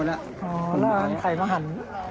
อ๋อแล้วมันใครมาหัน